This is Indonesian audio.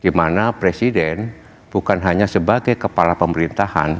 dimana presiden bukan hanya sebagai kepala pemerintahan